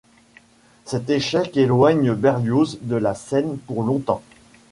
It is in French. Cet échec éloigne Berlioz de la scène pour longtemps.